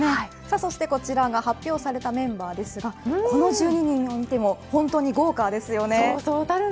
そしてこちらが発表されたメンバーですがこの１２人を見ても本当に豪華ですよね。